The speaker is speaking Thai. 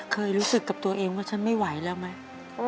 เคยรู้สึกกับตัวเองว่าฉันไม่ไหวแล้วไหม